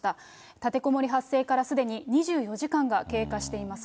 立てこもり発生からすでに２４時間が経過しています。